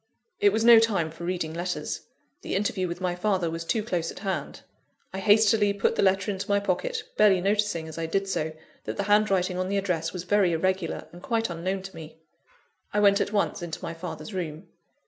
It was no time for reading letters the interview with my father was too close at hand. I hastily put the letter into my pocket, barely noticing, as I did so, that the handwriting on the address was very irregular, and quite unknown to me. I went at once into my father's room.